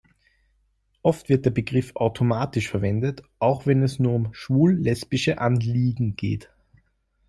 Oft wird der Begriff automatisch verwendet, auch wenn es nur um schwul-lesbische Anliegen geht.